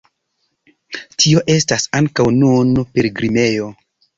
Tio estas ankaŭ nun pilgrimejo.